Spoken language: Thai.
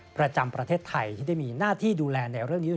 ประจำประเทศไทยที่ได้มีหน้าที่ดูแลในเรื่องนี้